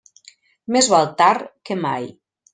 Més val tard que mai.